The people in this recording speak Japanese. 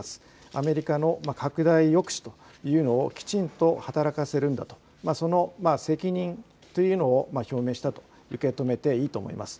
アメリカの拡大抑止というのをきちんと働かせるんだと、その責任というのを表明したと受け止めていいと思います。